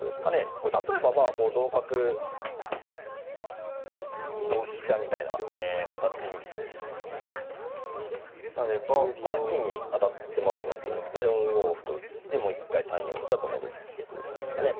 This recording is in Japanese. これ例えばまあこう同角同飛車みたいな形にですねなれば金銀当たってますので４五歩と打ってもう一回３四飛車と戻ってという感じですかね。